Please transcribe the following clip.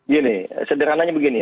gini sederhananya begini